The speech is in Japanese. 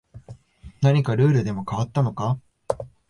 何かルールでも変わったのか